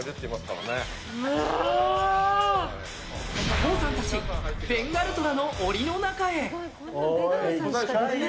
ＫＯＯさんベンガルトラの檻の中へ。